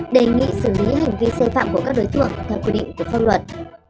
đề nghị xử lý hành vi xây phạm của các đối tượng theo quy định của phong luật